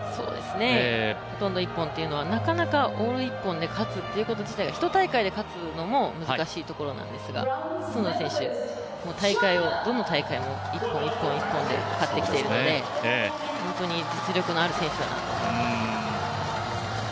ほとんど一本というのは、なかなかオール一本で勝つということは、１大会で勝つのも難しいところなんですが角田選手、どの大会も一本、一本、一本で勝ってきているので本当に実力のある選手だなと思います。